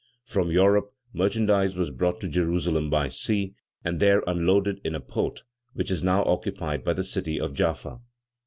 From Europe, merchandise was brought to Jerusalem by sea, and there unloaded in a port, which is now occupied by the city of Jaffa.